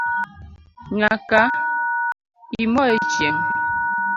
Nyaka imo echieng